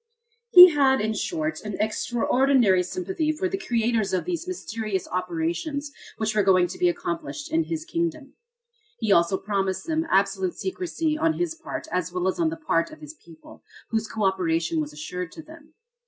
He had in short an extraordinary sympathy for the creators of these mysterious operations which were going to be accomplished in his kingdom. He also promised them absolute secrecy on his part as well as on the part of his people, whose co operation was assured to them.